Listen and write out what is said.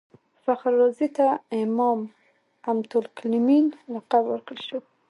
فخر رازي ته امام المتکلمین لقب ورکړل شو.